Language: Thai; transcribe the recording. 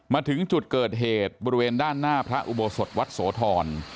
มาถึงจุดเกิดเหตุบริเวณด้านหน้าพระอุโบสถวัดโสธร